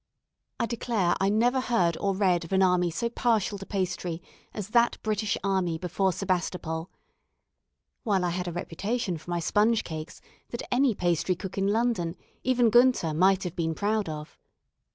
I declare I never heard or read of an army so partial to pastry as that British army before Sebastopol; while I had a reputation for my sponge cakes that any pastry cook in London, even Gunter, might have been proud of.